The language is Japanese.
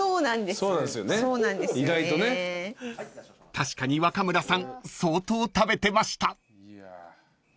［確かに若村さん相当食べてました］